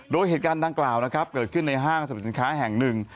โดยเหตุการณ์ดังกล่าวนะครับเกิดขึ้นในห้างสรรพสินค้าแห่งหนึ่ง